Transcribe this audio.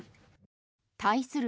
対する